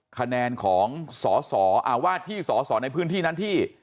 คะแนนของสอสอว่าที่สอสอในพื้นที่นั้นที่